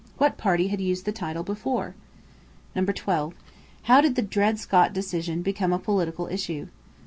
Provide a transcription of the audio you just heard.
What party had used the title before? 12. How did the Dred Scott decision become a political issue?